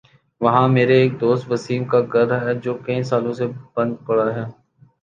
وہاں میرے ایک دوست وسیم کا گھر ہے جو کئی سالوں سے بند پڑا ہے ۔